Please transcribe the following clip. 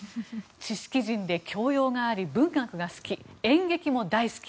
知識人で教養があり文学が好き、演劇も大好き。